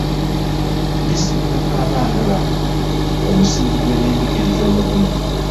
Bisimira abaana bano omusingi gw’ebyenjigiriza omugumu.